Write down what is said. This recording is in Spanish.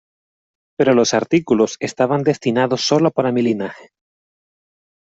Pero los artículos estaban destinados solo para mi linaje.